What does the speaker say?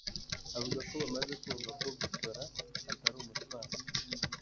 avuga ko bamaze kumva ko gusora atari umutwaro